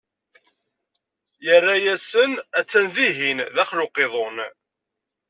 Irra-yasen: a-tt-an dihin, daxel n uqiḍun.